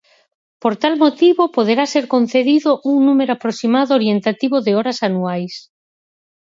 Por tal motivo, poderá ser concedido un número aproximado orientativo de horas anuais.